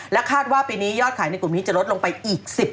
คาดว่าปีนี้ยอดขายในกลุ่มนี้จะลดลงไปอีก๑๐